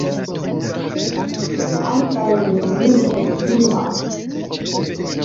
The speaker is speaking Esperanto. Ankaŭ mi nun ektimas.